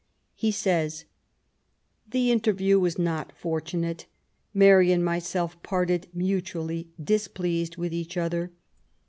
He says :— The interview was not fortunate. Mary and myself parted mutu ally displeased with each other.